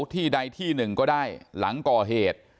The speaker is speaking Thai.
ที่ใดที่หนึ่งก็ได้หลังก่อเหตุ